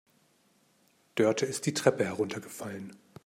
Dörte ist die Treppe heruntergefallen.